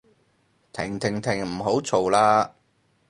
停停停唔好嘈喇